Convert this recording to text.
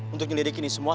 untuk nyelidikin ini semua